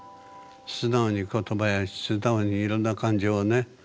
素直に言葉や素直にいろんな感情をね